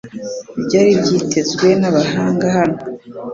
ibyari byitezwe n'abahanga hano